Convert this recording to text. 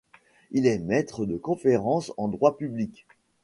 Il est maître de conférences en droit public.